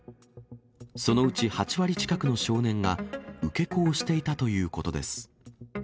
そのうち８割近くの少年が、受け子をしていたということです。